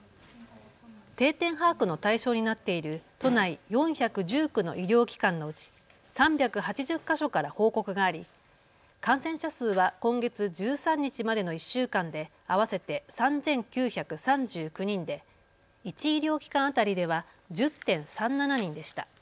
定点把握の対象になっている都内４１９の医療機関のうち３８０か所から報告があり感染者数は今月１３日までの１週間で合わせて３９３９人で１医療機関当たりでは１０．３７人でした。